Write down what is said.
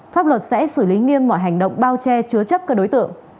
pháp luật sẽ xử lý nghiêm mọi hành động bao che chứa chấp các đối tượng